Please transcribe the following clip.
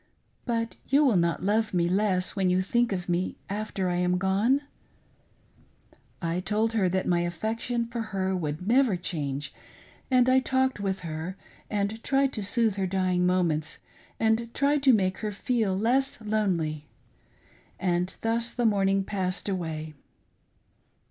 But you will not love me less when you think of me after I am gone }" I told her that my affection for her would never change, and I talked with her, and tried to soothe her dying moments, and to make her feel less lonely ; and thus the morning passed away.